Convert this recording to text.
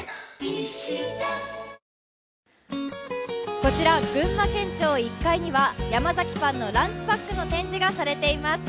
こちら群馬県庁１階にはヤマザキパンのランチパックの展示がされています。